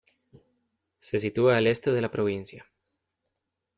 Se sitúa al este de la provincia.